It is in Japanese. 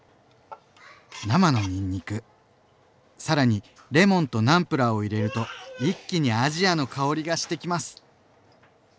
生のにんにく更にレモンとナムプラーを入れると一気にアジアの香りがしてきます。